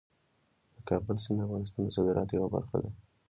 د کابل سیند د افغانستان د صادراتو یوه برخه ده.